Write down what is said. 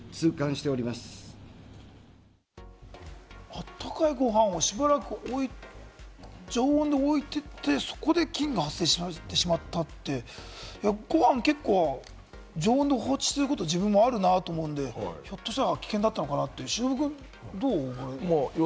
温かいご飯をしばらく常温で置いてて、そこで菌が発生してしまったって、ご飯結構、常温で放置してること、自分もあるなと思うんで、ひょっとしたら危険だったのかな？って忍君どう？